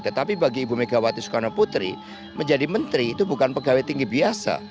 tetapi bagi ibu megawati soekarno putri menjadi menteri itu bukan pegawai tinggi biasa